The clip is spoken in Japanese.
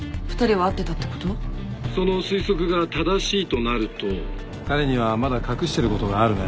その推測が正しいとなると彼にはまだ隠してることがあるね。